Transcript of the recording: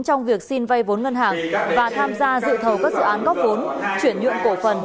trong việc xin vay vốn ngân hàng và tham gia dự thầu các dự án góp vốn chuyển nhượng cổ phần